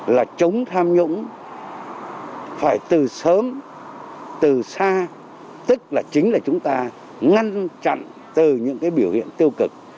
là chống tham nhũng phải từ sớm từ xa tức là chính là chúng ta ngăn chặn từ những cái biểu hiện tiêu cực